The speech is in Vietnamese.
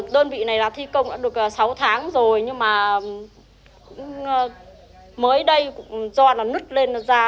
đơn vị này thi công đã được sáu tháng rồi nhưng mà mới đây do nứt lên ra